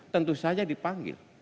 tentu saja dipanggil